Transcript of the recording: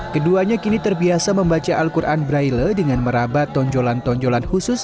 keduanya kini terbiasa membaca al quran braille dengan merabat tonjolan tonjolan khusus